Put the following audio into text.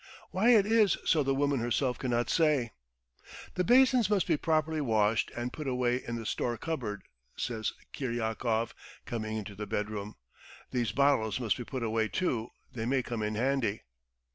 Why it is so the woman herself cannot say. "The basins must be properly washed and put away in the store cupboard," says Kiryakov, coming into the bedroom. "These bottles must be put away too: they may come in handy."